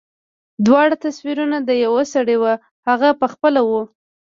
دواړه تصويرونه د يوه سړي وو هغه پخپله و.